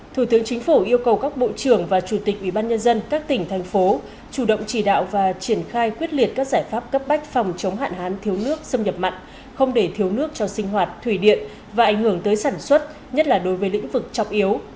thủ tướng chính phủ yêu cầu các bộ trưởng và chủ tịch ubnd các tỉnh thành phố chủ động chỉ đạo và triển khai quyết liệt các giải pháp cấp bách phòng chống hạn hán thiếu nước xâm nhập mặn không để thiếu nước cho sinh hoạt thủy điện và ảnh hưởng tới sản xuất nhất là đối với lĩnh vực trọng yếu